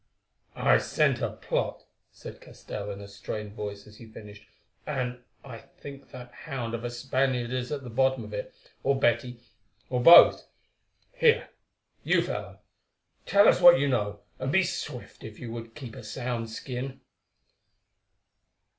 "I scent a plot," said Castell in a strained voice as he finished, "and I think that hound of a Spaniard is at the bottom of it, or Betty, or both. Here, you fellow, tell us what you know, and be swift if you would keep a sound skin."